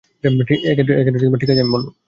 ঠিক আছে, আমি বলব!